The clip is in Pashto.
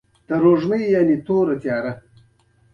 يو تن سېرېنا ته وويل ولې اغه دوه تنه.